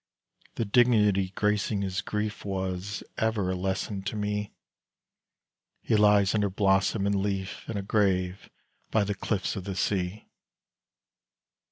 The dignity gracing his grief Was ever a lesson to me; He lies under blossom and leaf In a grave by the cliffs of the sea.